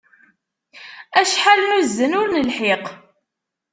Acḥal nuzzel, ur nelḥiq!